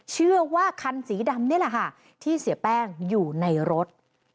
เชื่อว่าคันสีดำนี่แหละค่ะที่เสียแป้งอยู่ในรถ